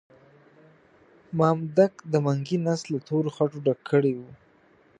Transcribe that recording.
مامدک د منګي نس له تورو خټو ډک کړی وو.